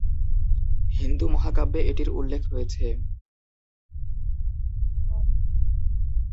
হিন্দু মহাকাব্যে এটির উল্লেখ রয়েছে।